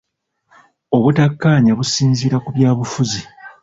Obutakkaanya businziira ku byabufuzi.